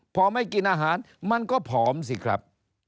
พอไม่กินอาหารมันก็ผอมสิครับ